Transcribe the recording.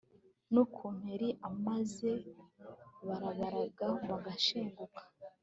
n'ukuntu yari ameze barababaraga bagashenguka